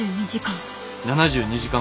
７２時間。